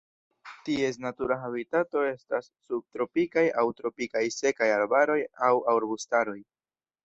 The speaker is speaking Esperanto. Ties natura habitato estas subtropikaj aŭ tropikaj sekaj arbaroj aŭ arbustaroj.